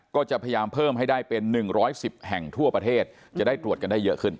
ก็จะพยายามเพิ่มให้ได้เป็น๑๑๐แห่งทั่วประเทศจะได้ตรวจกันได้เยอะขึ้น